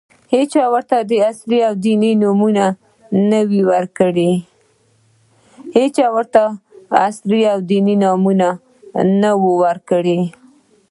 هېچا ورته د عصري او دیني نوم نه ؤ ورکړی.